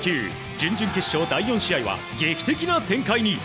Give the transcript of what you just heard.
準々決勝第４試合は劇的な展開に。